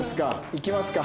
いきますか。